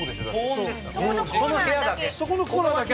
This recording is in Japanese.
そこのコーナーだけ？